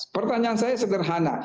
pertanyaan saya sederhana